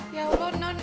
ya allah non